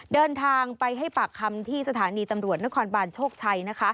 เดินทางไปให้ปากคำที่สถานีตำรวจนครบานโชคชัยนะคะ